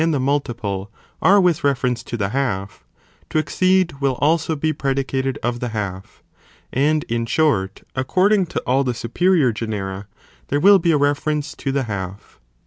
ob the multiple are with referehce to the half, to /¢t™ exceed will also be predicated of the half, and in short, ac cording to all the superior genera there will be a reference to the half.